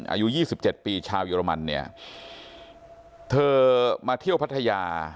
อายุยี่สิบเจ็ดปีชาวเยอรมันเนี่ยเธอมาเที่ยวพัทยา